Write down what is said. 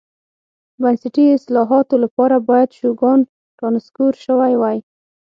بنسټي اصلاحاتو لپاره باید شوګان رانسکور شوی وای.